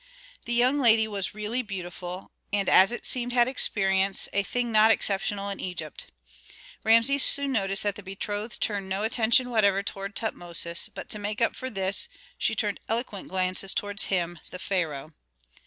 The young lady was really beautiful, and as it seemed had experience, a thing not exceptional in Egypt. Rameses soon noticed that the betrothed turned no attention whatever toward Tutmosis, but to make up for this she turned eloquent glances toward him, the pharaoh.